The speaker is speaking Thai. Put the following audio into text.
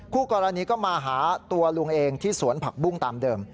คู่กรณีก็มาหาตัวลุงเองที่สวนผักบุ้งตามเดิม